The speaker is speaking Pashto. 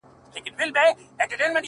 د زنده گۍ ياري كړم ـ